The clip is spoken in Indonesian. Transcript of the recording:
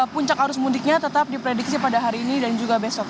puncak arus mudiknya tetap diprediksi pada hari ini dan juga besok